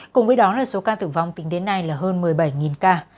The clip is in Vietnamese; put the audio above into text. cùng với đó là số ca tử vong tính đến nay là hơn một mươi bảy ca